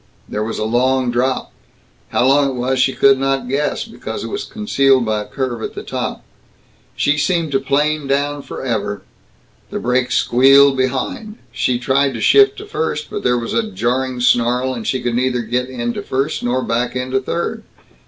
There was a long drop. How long it was she did not guess, because it was concealed by a curve at the top. She seemed to plane down forever. The brakes squealed behind. She tried to shift to first but there was a jarring snarl, and she could neither get into first nor back into third.